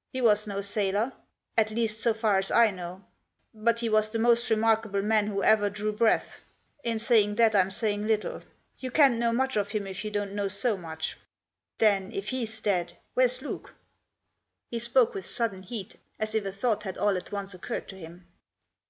" He was no sailor. At least, so far as I know. Digitized by MAX LANDER. 79 But he was the most remarkable man who ever drew breath. In saying that I'm saying little. You can't know much of him if you don't know so much. Then, if he's dead, where's Luke ?" He spoke with sudden heat, as if a thought had all at once occurred to him.